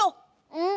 うん。